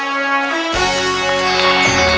ที่บอกใจยังไง